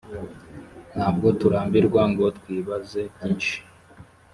ntabwo turambirwa ngo twibaze byinshi